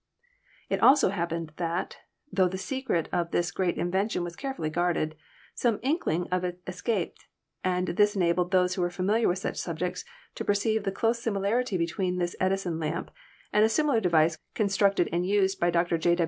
"It also happened that, though the secret of this great invention was carefully guarded, some inkling of it es caped, and this enabled those who were familiar with such subjects to perceive the close similarity between this Edi son lamp and a similar device constructed and used by Dr. J.